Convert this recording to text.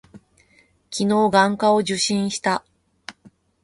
昨日、眼科を受診した。